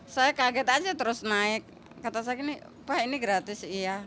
saya kaget saja terus naik kata saya ini gratis